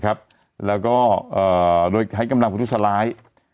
ครับแล้วก็เอ่อโดยแห้นกำลังธุรกิจล้าย